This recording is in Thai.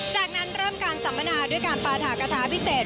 จากนั้นเริ่มการสัมมนาด้วยการปาถากระทะพิเศษ